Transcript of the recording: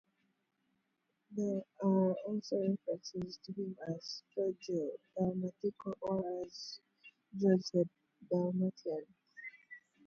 There are also references to him as "Giorgio Dalmatico" or as "George the Dalmatian".